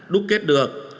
đúc kết được